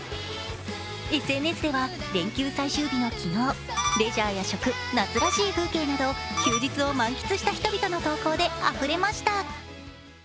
ＳＮＳでは連休最終日の昨日、レジャーや食、夏らしい風景など休日を満喫した人々の投稿であふれました。